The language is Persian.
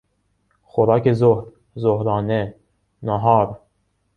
خوراک ظهر، ظهرانه، نهار